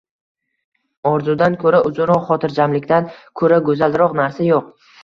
Orzudan ko‘ra uzunroq, xotirjamlikdan ko‘ra go‘zalroq narsa yo‘q.